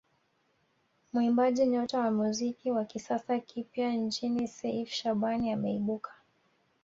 Muimbaji nyota wa muziki wa kizazi kipya nchini Seif Shabani ameibuka